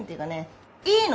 いいの！